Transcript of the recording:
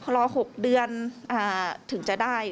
รอ๖เดือนถึงจะได้